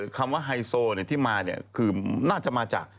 คำว่าไฮโซที่มาเนี่ยคือน่าจะมาจาก